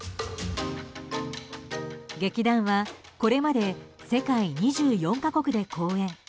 劇団は、これまで世界２４か国で公演。